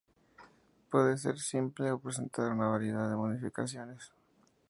Puede ser simple o presentar una variedad de modificaciones.